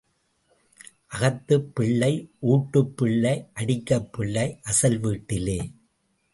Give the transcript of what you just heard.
அகத்துப் பிள்ளை ஊட்டுப் பிள்ளை அடிக்கப் பிள்ளை அசல் வீட்டிலே.